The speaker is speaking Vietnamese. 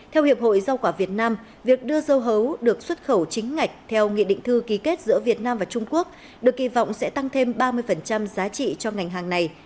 theo hiệp hội rau quả việt nam việc đưa dưa hấu được xuất khẩu chính ngạch theo nghị định thư ký kết giữa việt nam và trung quốc được kỳ vọng sẽ tăng thêm ba mươi giá trị cho ngành hàng này